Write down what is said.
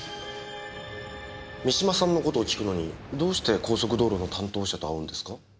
三島さんのことを訊くのにどうして高速道路の担当者と会うんですか？